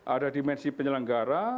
ada dimensi penyelenggara